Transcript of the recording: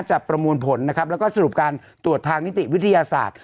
ประมวลผลนะครับแล้วก็สรุปการตรวจทางนิติวิทยาศาสตร์